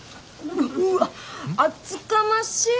うわ厚かましい！